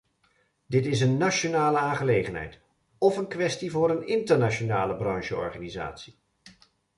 Dit is een nationale aangelegenheid, of een kwestie voor een internationale branche-organisatie.